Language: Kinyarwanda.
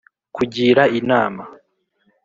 kugira inama